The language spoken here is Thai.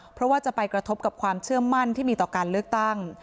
เพราะว่าจะไปกระทบกับความเชื่อมั่นที่มีต่อการเลือกตั้ง